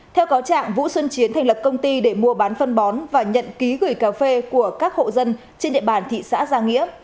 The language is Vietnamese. theo cáo trạng vũ xuân chiến thành lập công ty để mua bán phân bón và nhận ký gửi cà phê của các hộ dân trên địa bàn thị xã giang nghĩa